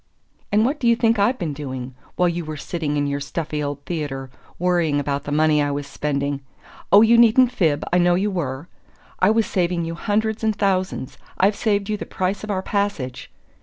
"And what do you think I've been doing? While you were sitting in your stuffy old theatre, worrying about the money I was spending (oh, you needn't fib I know you were!) I was saving you hundreds and thousands. I've saved you the price of our passage!"